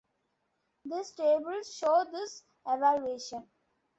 These tables show this evolution.